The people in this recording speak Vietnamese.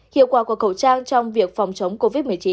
hiệu quả của khẩu trang trong việc phòng chống covid một mươi chín